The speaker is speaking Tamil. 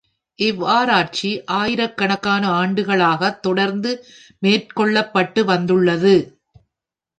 இவ்வாராய்ச்சி ஆயிரக் கணக்கான ஆண்டுகளாகத் தொடர்ந்து மேற்கொள்ளப் பட்டு வந்துள்ளது.